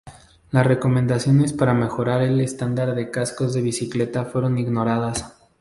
Las recomendaciones para mejorar el estándar de cascos de bicicleta fueron ignoradas.